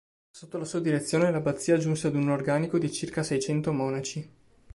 Sotto la sua direzione l'abbazia giunse ad un organico di circa seicento monaci.